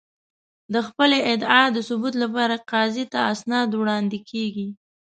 د خپلې ادعا د ثبوت لپاره قاضي ته اسناد وړاندې کېږي.